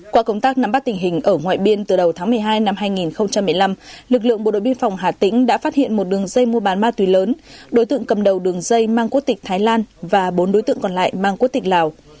qua công tác nắm bắt tình hình ở ngoại biên từ đầu tháng một mươi hai năm hai nghìn một mươi năm lực lượng bộ đội biên phòng hà tĩnh đã phát hiện một đường dây mua bán ma túy lớn đối tượng cầm đầu đường dây mang quốc tịch thái lan và bốn đối tượng còn lại mang quốc tịch lào